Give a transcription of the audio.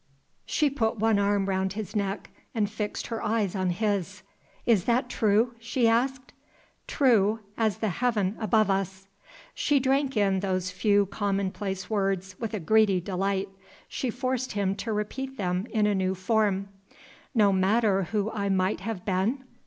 She put one arm round his neck, and fixed her eyes on his. "Is that true?" she asked. "True as t he heaven above us!" She drank in those few commonplace words with a greedy delight. She forced him to repeat them in a new form. "No matter who I might have been?